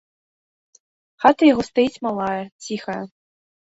Хата яго стаіць малая, ціхая.